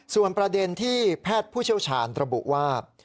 ส่วนประเด็นที่แพทย์ผู้เชี่ยวชาญระบุว่า